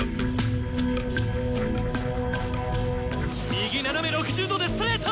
右斜め６０度でストレート！